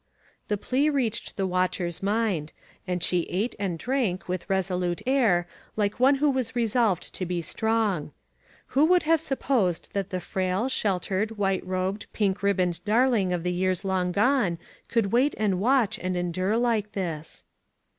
The plea reached the watcher's mind, and she ate and drank with resolute air, like one who was resolved to be strong. Who would have supposed that the frail, shel tered, white robed, pink ribboned darling of the years long gone could wait and watch and endure like this?